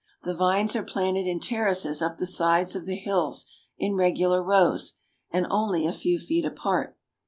The vines are planted in terraces up the sides of the hills in regular rows, and only a few feet apart.